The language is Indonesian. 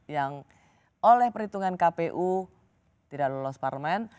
yang oleh perhitungan kpu tidak lolos parlemen